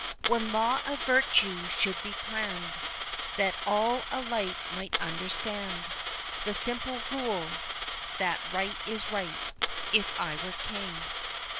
One law of virtue should be planned That all alike might understand The simple rule, that right is right If I were King.